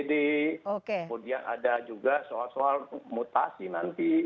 kemudian ada juga soal soal mutasi nanti